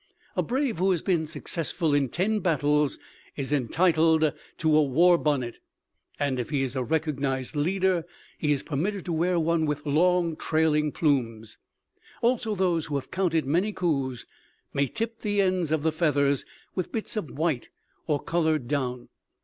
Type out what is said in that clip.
"A brave who has been successful in ten battles is entitled to a war bonnet; and if he is a recognized leader, he is permitted to wear one with long, trailing plumes. Also those who have counted many coups may tip the ends of the feathers with bits of white or colored down.